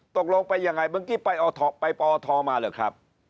ตกลงไปยังไงเมื่อกี้ไปปอทมาเหรอครับ